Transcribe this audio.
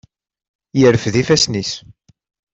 Yerfed ifassen-is.